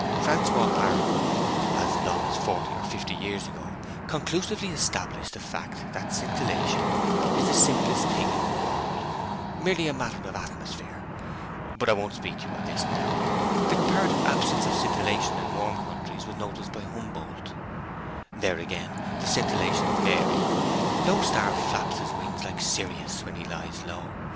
Francois Arago, as long as forty or fifty years ago, conclusively established the fact that scintillation is the simplest thing in the world, merely a matter of atmosphere. But I won't speak of this to you now. The comparative absence of scintillation in warm countries was noticed by Humboldt. Then, again, the scintillations vary. No star flaps his wings like Sirius when he lies low!